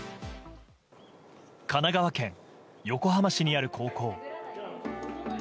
神奈川県横浜市にある高校。